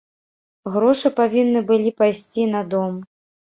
Грошы павінны былі пайсці на дом.